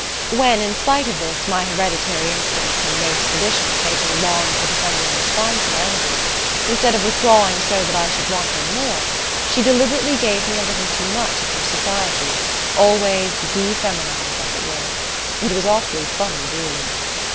When, in spite of this, my hereditary instincts and race traditions made me long for the feminine response in Ellador, instead of withdrawing so that I should want her more, she deliberately gave me a little too much of her society. always de feminized, as it were. It was awfully funny, really.